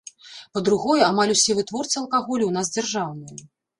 Па-другое, амаль усе вытворцы алкаголю ў нас дзяржаўныя.